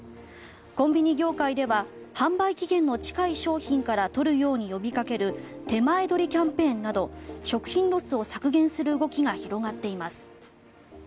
コンビニ業界では販売期限の近い商品から取るように呼びかけるてまえどりキャンペーンなど食品ロスを削減する動きが広がっています。